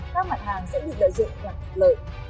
các mặt hàng sẽ bị đợi dựng hoặc lợi